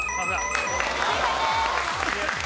正解です。